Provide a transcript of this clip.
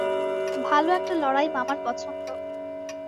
ভালো একটা লড়াই মামার পছন্দ।